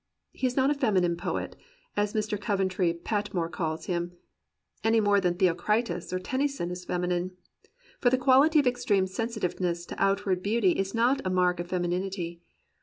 He is not a feminine poet, as Mr. Coventry Pat more calls him, any more than Theocritus or Tennyson is feminine; for the quaHty of extreme sensitiveness to outward beauty is not a mark of femininity.